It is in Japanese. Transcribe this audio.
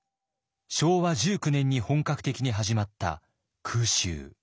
昭和１９年に本格的に始まった空襲。